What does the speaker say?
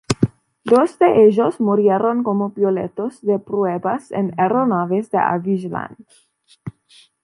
Dos de ellos murieron como pilotos de pruebas en aeronaves de Havilland.